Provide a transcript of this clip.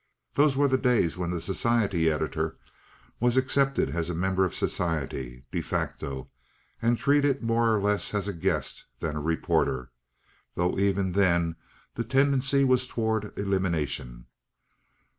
Those were the days when the society editor was accepted as a member of society—de facto—and treated more as a guest than a reporter, though even then the tendency was toward elimination.